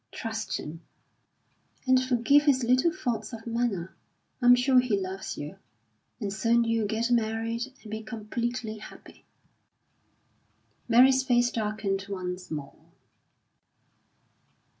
Trust him, and forgive his little faults of manner. I'm sure he loves you, and soon you'll get married and be completely happy." Mary's face darkened once more.